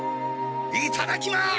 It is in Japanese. いただきます！